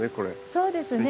そうですね。